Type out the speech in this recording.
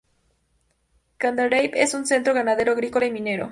Candarave es un centro ganadero agrícola y minero.